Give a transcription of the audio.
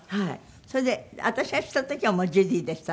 それで私が知った時はもうジュディでしたね